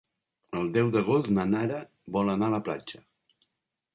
El deu d'agost na Nara vol anar a la platja.